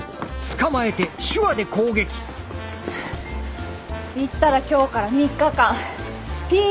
行ったら今日から３日間ピーマンづくしね。